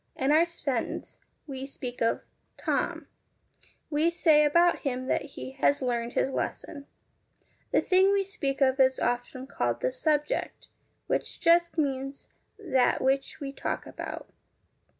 In our sentence, we speak of ' Tom.' We say about him that he ' has learned his lesson.' The thing we speak of is often called the SUBJECT, which just means that which we talk about.